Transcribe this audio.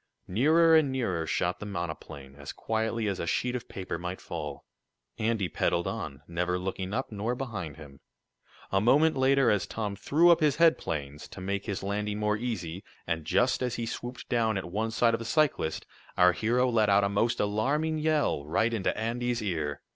Nearer and nearer shot the monoplane, as quietly as a sheet of paper might fall. Andy pedaled on, never looking up nor behind him, A moment later, as Tom threw up his headplanes, to make his landing more easy, and just as he swooped down at one side of the cyclist, our hero let out a most alarming yell, right into Andy's ear.